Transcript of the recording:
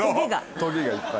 トゲがいっぱい。